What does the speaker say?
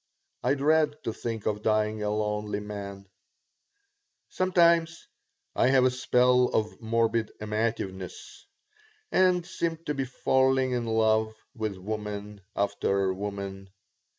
I dread to think of dying a lonely man Sometimes I have a spell of morbid amativeness and seem to be falling in love with woman after woman.